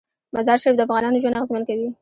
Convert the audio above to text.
مزارشریف د افغانانو ژوند اغېزمن کوي.